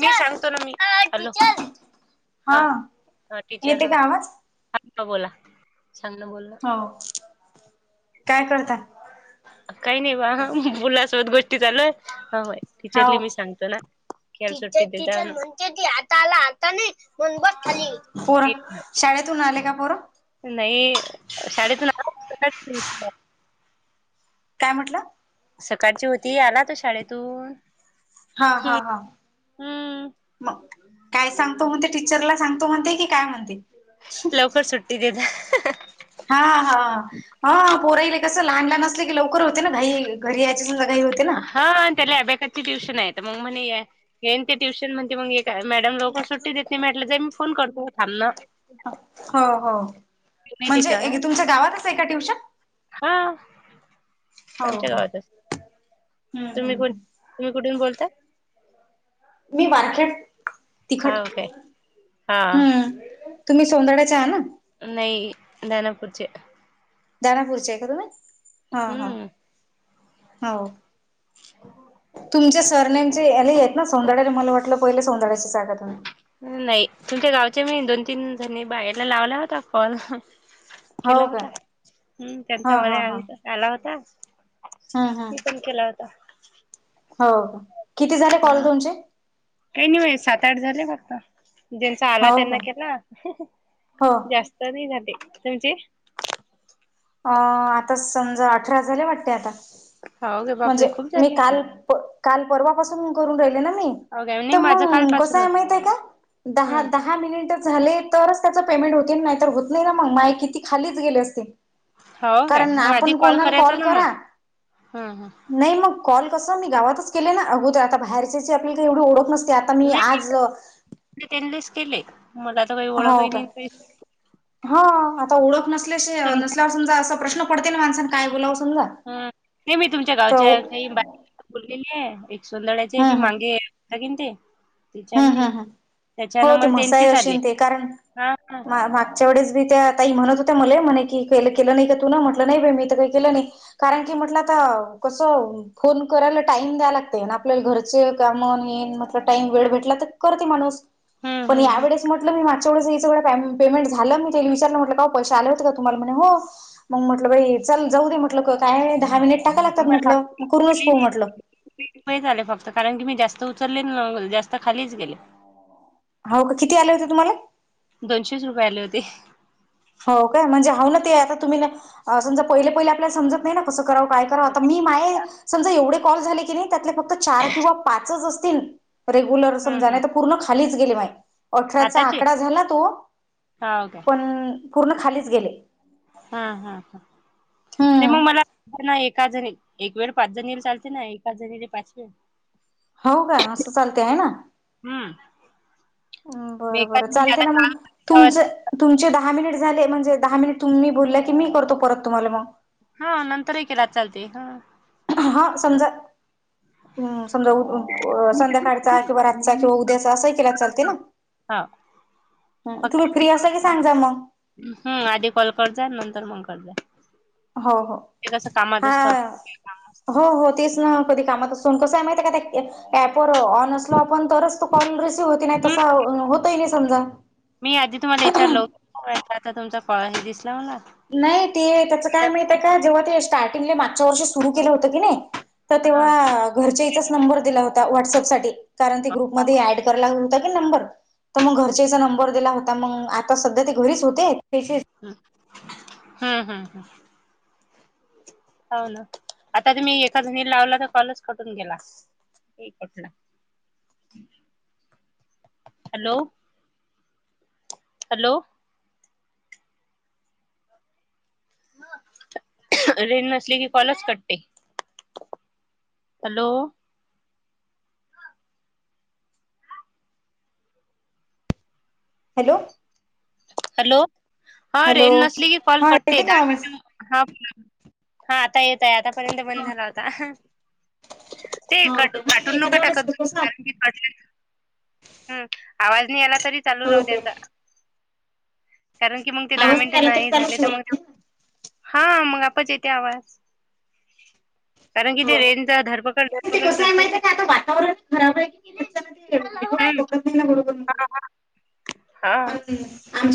मी सांगतो ना मी... हा हा टीचर येते हा का आवाज हा बोला... सांग ना बोल ना हो काय करतात... काही नाही बा मुलासोबत गोष्टी चालूय हय हो टीचरली मी सांगतो ना... खेळ सुण आता आला आता नाही.. मनबट थली... पोरं शाळेतून आले का पोरं नाही शाळेतून आ प्र... काय म्हटलं... सकाळची होती आला तो शाळेतून... हा हा हा हम्म म... काय सांगतो म्हणजे? टीचरला सांगतो म्हणते की काय म्हणते? लवकर सुट्टी देेत- हा हा हा पोरले कस लहान लहान असले की लवकर होते ना घाई- घरी यायची समजा घाई होते ना हा त्याला अबॅकसची ट्युशन आहे. मग म्हणे येन ते ट्युशन म्हण मग मॅडम लोकर सुट्टी देत - म्हटलं जा मी फोन करतो. [unintelligible] हो हो तीन ए की म्हणजे चार? एक तुमच्या गावातच आहे का ट्युशन हा. हो आमच्या का गावातच. हम्म तुम्ही कोण? हम्म तुम्ही कुठून बोलता? मी बारखेड तिखट. हा काय हा हम्म. तुम्ही सोंदड्याच्या आहात? नाही [unintelligible] दनापूरचे आहे का तुम्ही? हा हम्म हा हो. तुमच्या सरनेमचे याले आहेत ना सोनदाड्या मला वाटलं पहिले सोनदाड्याची हाय का तुम्ही.... नाही तुमच्या गावच्या मी दोन तीन जणी बायांला लावला होता कॉल. हो केला का होता. हम्म हा त्यांचा हा हा मध्ये आला होता- हम्म हम्म मी पण केला होता. हो. किती झाले कॉल हा तुमचे? काही नाही हो हे सात आठ झाले फक्त. ज्यांचा आला हो त्यांना का केला. हो जास्त नाही झाले. तुमची? अ आता समजा, अठरा झाले वाटतए आता. हो गे बापरे म्हणजे खूप मी झाले काल काल परवापासून करून राहिले ना हो काय त नाही माझं मंग कस हाय कालपासूनच माहिते का? दहा हम्म -दहा मिनट झाल तरच त्याचा पेमेंट होती नाही तर होत नाही ना मंग. माय किती खालीच गेले असते. हो काय कारण मग आधी आपण कोणाला करायचा कॉल ना मग करा, हा हा. नाही मग कॉल कस मी गावातच केले ना आगोदर, आता बाहेरचेचे आपल्याला काही एवढ ओळख न नाही त्यांलेच केले. मला तर काही ओळखही का नाही काही. हो आता ओळख नसल्या तुमच्या नसल्याअसं समजा असा प्रश्न पडते ना माणसना काय बोलाव समजा. नाही मी तुमच्या तर गावच्या काही बोललेली एक सोंदरा्याचे हम्म बी हम्म मांगे कीन ते हम्म तिच्यांदी हम्म हम्म हो ते म्हसाय आशें ते कारण हा हा. मागच्या वेळेस बी त्या ताई म्हणत होत्या मले म्हणे की के केलं नाही का तू न? म्हटलं नाही मी त काही केलं नाही. कारण की म्हटलं आता कस फोन करायला टाइम द्याव लागतय. आपल्या घरचे काम येन म्हटल टाईम वेळ भेट - टल तर करते माणूस. हम्म पण हम्म या हम्म. वेळेस म्हटलं मी मा स पेमेंट झालं मी विचारलं. म्हटलं का पैसे आले होते का तुम्हाला? म्हणे हो मग म्हटलं बाई चल जाऊ दे म्हटलं का काय दहा मिनिट टाका लागतात मला म्हटलं करूनच पाहू म्हटलं. रुपये झाले फक्त कारण की मी जास्त उचलले न. जास्त खालीच गेले. हाव का? किती आले होते तुम्हाले? दोनशेच रुपये आले होते. हो काय? म्हणजे हाव ना ते आता तुम्ही समजा पहिले पहिले आपल्याला समजत नाही ना कसं कराव काय करावं. आता मी माये समजा एवढे कॉल झाले कीणी त्यातले फक्त चार किंवा पाचच असतील रेगुलर हा समजा हा नाईत पूर्ण खाली गेली माय. अठराचा आताचे आकडा झाला तो. हाव काय. पण पूर्ण खालीच गेले. हा हा ह नाही हम्म मग मला पाच जणी एक वेळ. पाच जणीले चालते ना? पाच जणीले पाच वेळ. हाव का? असं चालते आहे ना? हम्म. मी बर एकाच बरं म्हणजे चालते आता ना मग. काल तुमच तुमचे दहा मिनिट झाले म्हणजे दहा मिनिट तुम्ही बोलला की मी करतो परत तुम्हाला मग हा नंतरही केला चालते हा. हा समजा समजा अ संध्याकाळचा किंवा रातचा किंवा उद्याचा असंही केला चालते ना? हा हम्म फक्त तुम्ही फ्री असं कि सांग जा मग हम्म आधी कॉल कर जा [inaudible] हो हो ते कसं कामात हा असत काम असत हो हो तेच ना कधी कामात असून कस हाय माहिती हाय का ते ॲप ऑन असलो आपण तरच तू कॉल रिसिव्ह होती नाही हम्म तसा होतही नाही समजा. मी आधी तुम्हाला विचारलं आता तुमचा कॉल आलेला दिसला. मला नाही ते त्याच काय माहीत का जेव्हा ते स्टार्टिंगला मा त्या वर्ष सुरु केलं होत की नई तर हा हम्म तेव्हा घरच्या इचाच नंबर दिला होता व्हॉट्सअप साठी. कारण ते ग्रुपमध्ये ऍड कराय लागल- नंबर तर मग घरच्याचा नंबर दिला होता मग आता सध्या ते घरीच होते त्याचे हम्म हम्म हम्म हम्म हो ना आता तुम्ही एका जणी लावला तर कॉलच कट होऊन गेला हॅलो हॅलो रेंज नसली की कॉलच कटते हॅलो हॅलो हॅलो हा रेंज हॅलो नसली की कॉल हा कटते येते का दहा आवाज मिनट हा हा आता येतय आतापर्यंत बंद झाला होता ते हो का काय ते काटून नको एखाद्या वेळेस टाकत जाऊ कसं कारण की कट हम्म आवाज नाही आला तरी चालू राहू हो काय द्याचा कारण की मग ते दहा आवाज मिनिट आला नाही चालू झाले तर ठेवावा मग लागते ना हा मग आपच येते आवाज कारण कि ते रेंचा धरपकड हो ते धरपकड कसं आहे करते माहिती ना. आहे का आता वातावरण पकत नाही ना बरोबर. हा.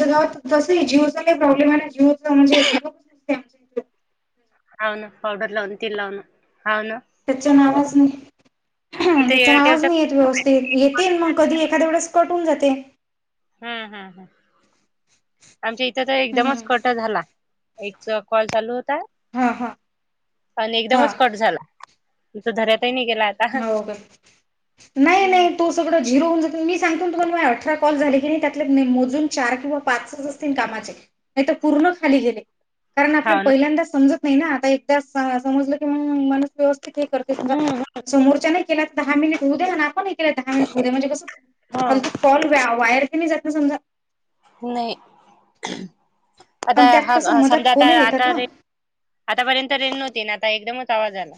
स जिओचा काही प्रॉब्लेम आहे जिओ म्हणजे नेटमंग अन पावडर लावून अन्. त्याच्या नावाच नाही. इथे त्याच नावाज एअरटेलचा नाही येत व्यवस्थित येते मग कधी एखाद्या वेळेस कटून जाते. हम् हम हम आमच्या इथं तर हम्म एकदमच कट झाला. एक च कॉल चालू होता हा हा आणि हा एकदमच कट झाला. घर्या हो का नाही हम्म. नाही तो सगळ झिरो होऊन जातो मी सांगतो तुम्हाला अठरा कॉल झाली. त्या मोजून चार किंवा पाच असतील कामाचे नाही तर पूर्ण खाली गेले कारण आपल्या हाव ना. पहिल्यांदा समजत. नाही ना आता एकदा समजलं की माणूस व्यवस्थित हे करते समजा हम्म समोरच्या नाही केला. दहा मिनिट होऊ द्या आपण दहा मिनिट होऊ म्हणजे कस फालतू हम्म कॉल वायर क समजा. नाही. आता आणि त्यात हा कसं मधात समजा आता फोनही येतात ना. आताे आतापर्यंत रेन नव्हती ना. एकदमच आवाज आला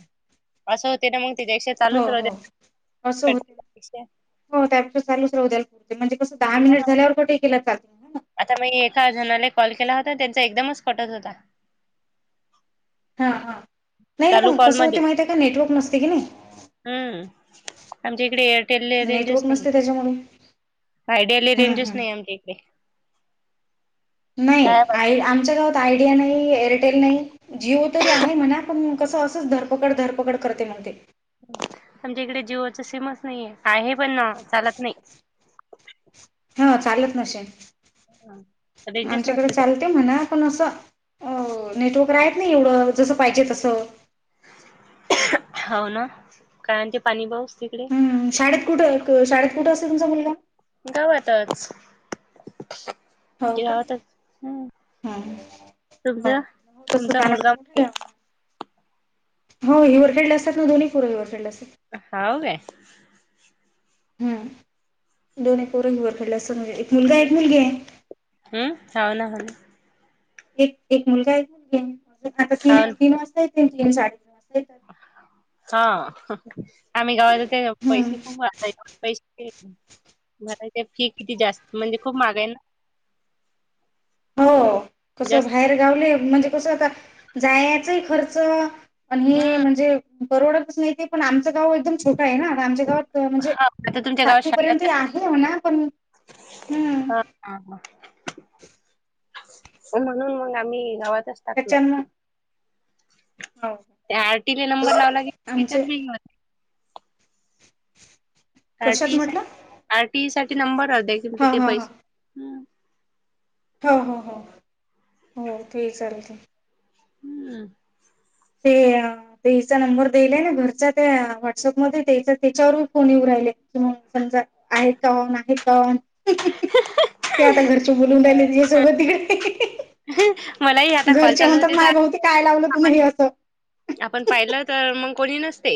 असं होते ना मग त्याच्यापेक्षा हो चालूच राहू हो द्या अस होत कट हो त्या चालूच राहू दे. म्हणजे कसं दहा मिनिट झाल्यावर कुठे केलं ल आता मी एका जणाला कॉल केला होता त्यांचा एकदमच कटत होता. हा हा नाही ना चालू मग कसं होते कॉलमध्ये माहिती आहे का नेटवर्क नसते की नाही. हम्म. आमच्या इकडे रेंजस नेटवर्क न नसते त्याच्यामुळे आयडियाला हम्म रेंजस हम्म नाही आमच्या इकडे नाही काय आ बाकी आमच्या गावात आयडिया नाही, एअर नाही जीओ तरी आहे म्हणा पण कसं असंच धरपकड धरपकड करते म्हण ते. आमच्या इकडे जिओच सीमच नाहीे का आहे पण चालत नाही. हा चालत नसे रेंजच आमच्याकडे नसते. चालते म्हणा. आपण असं नेटवर्क राहत एवढं जसं पाहिजे तसं. हो ना काय आणते पाणी पाऊस तिकडे. ह शाळेत कुठं शाळेत कुठं असेल तुमचा मुलगा? गावातच हो का गावातच हम्. हम्म हो तुमच्या हो तसं तुमच मुलगा दानापूर मोठं मुलगी.. गाव म्हणा हो हिवर खेडले असतात ना दोन्ही पुरं हिवर खडले असतात. हाव वाय. हम् दोन एक पोर हीवरखडला असते एक मुलगा एक मुलगी हे. हम्म हाव ना हल. एक एक मुलगा एक मुलगी आहे आता तीन हाव तीन वाजता त तीन साडे तीन. हा. आम्ही गावाात हम्म. [unintelligible] ते फी किती जास्त म्हणजे खूप महाग आहे ना. हो कसं जास्त बाहेर गावले म्हणजे कसं आता जायचही खर्च.. पण हे हम्म म्हणजे बरोडातच नाही ते पण आमच गाव एकदम छोटं आहे ना आमच्या गावात.. ते म्हणजे हा आता तुमच्या गावात सातवी शाळा पर्यंत आहे हो ना पण.. हम्म. हा हा म्हणून मग आम्ही गावात.. इतच टाकलं. त्याच्यानं हो त्या आरटी ले नंबर लावला गे आमचे त्याच्याच बिंग म... रिकामा ऑडिओ आरटीई साठी आरटीई साठी नंबर अ द्या किे हा ते हा हा पैसे. हो हो हो हो ते चालत. हम्म. ते अ तेचा नंबर दिलाय ना घरच्या त्या व्हॉट्सअपमध्ये तेचा त्याच्यावर फोन येऊन राही कि म समजा आहेत का ऑन आहेत का ऑन.? ते आता घरचे बोलून राहिले तिझ्यासोबत तिकडे. मलाही आता कॉल घरचे चालू म्हणतात होते आया तर भवती तुम्ही हे काय लावलंय आपण असं? आपण पाहिलं तर मग कोणी नसते.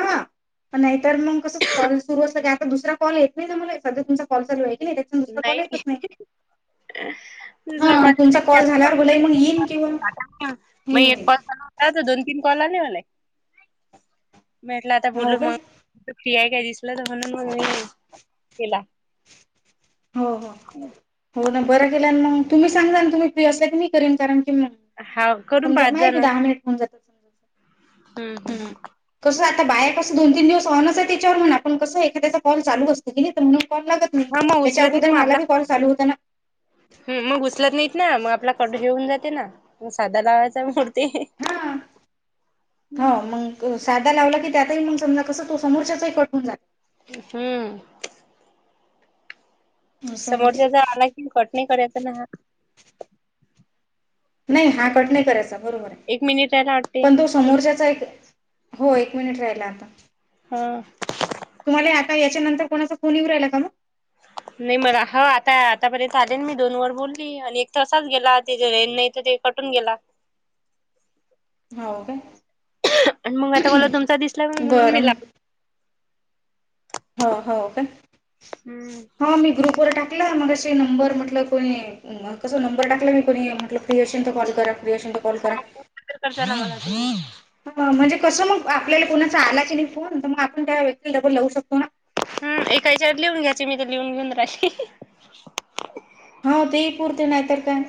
ह नाहीतर मग कस कॉल सुरु असलं की आता दुसरा कॉ येत नाही ना मला सध्या तुमचा कॉल चालू हाय न.. नाही. दुसर हा तुमचा कॉल झाल्यावर बोलाय मग येईन किंवा हे होईल [unintelligible] दोन तीन कॉल आले मला म्हटलं आता हो बोलून का मग. [unintelligible] हो हो हो ना बरा केला मग तुम्ही सांगा तुम्ही फ्री असला की मी करीन कारण.. कि हा करून समजा पाहत मा जा बी ना दहा मिनिट होऊन जातात [unintelligible] हम्म. आता बाया कसं दोन तीन दिवस ऑन आहे त्याच्यावरण आपण कस एखाद्याचा कलू असतकि नाही म्हणून. कॉल लागत नाही. हा मग त्याच्या उचलत नाही अगोदर म मला बी कॉल चालू होता ना आपला [unintelligible] [unintelligible] म साधा लावायचा [unintelligible] हा हो मग सा.. लावला की त्यातही मग समजा कसं तो समोरचाही कट होऊन जातो. हम्म. असं आहे ते. समोरच्याचा आला कि कट नाही करायचा ना हा.. नाही हा कट नाही करायचा बरोबर आहे एक मिनिट आहे ना वाटते पण तो समोरच्याचा एक.. हो एक मिनिट राहिला आता. हम. का याच्या नंतर कोणाचा फोन येऊ राहिला का मग.. [inaudible] नाही मला हो आता आतापर्यंत आले मी दोन वर बोलली आणि एक तसाच गेला तिथ रेंज नाही तर ते.. कटून गेला. हाव काय. आणि मग आता मला तुमचा दिसला म्हणून मी बरं लागल. हो हो का हम्म हो मी ग्रुप वर टाक.. टाकला मगशी नंबर म्हटल कोणी कस नंबर टाकला मी कोणी म्हटलं.. फ्रिअसलत कॉल करा, पफ्रिअसलत कॉल करा. रिकामा ऑडिओ हा, म्हणजे कसं मग आपल्याला कोुणाचा आला की नाही फोन तर मग आपण त्या व्यक्तीला डबल लावू शकतो ना. हम्म एकायच्यावर लिहून घ्यायचे मी तर लिहून घेऊन राहिली. हा तेही पुरते नाहीतर काय?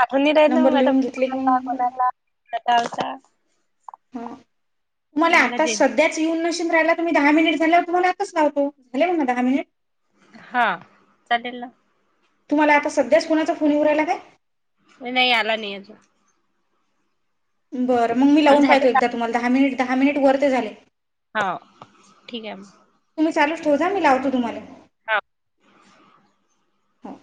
आठवून नि रायेत ना नंबर मग लिहून घेतले की आताणाला मग बरं. कोणाला [unintelligible] ह मला आता सध्याच येऊन न. [unintelligible] दहा मिनिट झाल्यावर तम्हालाच लावतो झाले म दहा मिनिट. हा चालेल ना. तुम्हाला आता सध्याच कोुणाचा फोन येउ राहियला काय? नाही आला नाही अजून. बरं मग मी लावून झाले पाहते का एकदा तुम्हाला, दहा मिनिट दहा मिनिट वर ते झाले. हा ठीके. मी चालच ठेउजा मी लावतो तुम्हाला. हा. हो.